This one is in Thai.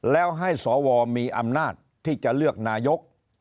แล้วให้สวมีอำนาจที่จะเลือกนายก